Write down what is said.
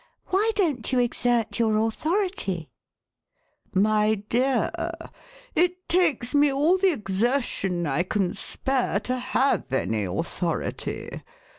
Why don't you exert your authority }"My dear, it takes me all the exertion I can spare to have any authority.